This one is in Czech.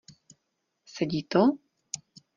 Sedí to?